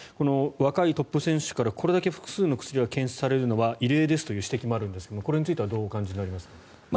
若いトップ選手からこれだけ複数の薬が検出されるのは異例ですという指摘もあるんですがこれについてはどうお感じになりますか？